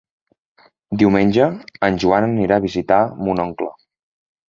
Diumenge en Joan anirà a visitar mon oncle.